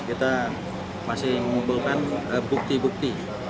kita masih mengumpulkan bukti bukti